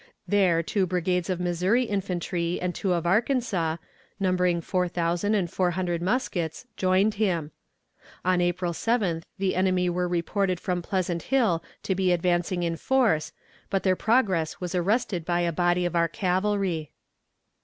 There two brigades of Missouri infantry and two of Arkansas, numbering four thousand and four hundred muskets, joined him. On April 7th the enemy were reported from Pleasant Hill to be advancing in force, but their progress was arrested by a body of our cavalry.